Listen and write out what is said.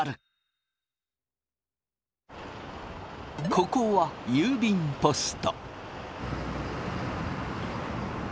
ここは郵便ポスト。